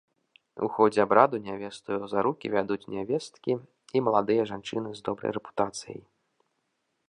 У ходзе абраду нявесту за рукі вядуць нявесткі і маладыя жанчыны з добрай рэпутацыяй.